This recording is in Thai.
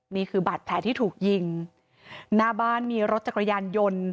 นี่คือบาดแผลที่ถูกยิงหน้าบ้านมีรถจักรยานยนต์